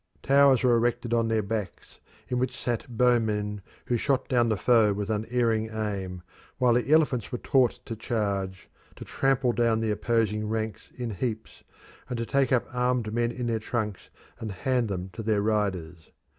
Towers were erected on their backs, in which sat bowmen, who shot down the foe with unerring aim, while the elephants were taught to charge, to trample down the opposing ranks in heaps, and to take up armed men in their trunks and hand them to their riders.